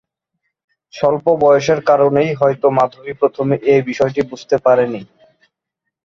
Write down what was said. স্বল্প বয়সের কারণেই হয়তো মাধবী প্রথমে এই বিষয়টি বুঝতে পারেনি।